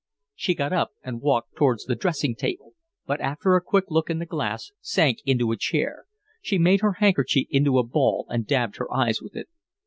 She got up and walked towards the dressing table, but after a quick look in the glass sank into a chair. She made her handkerchief into a ball and dabbed her eyes with it.